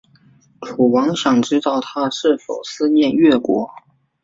楚王想知道他是否思念越国。